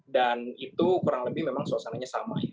dan itu kurang lebih memang suasananya sama ya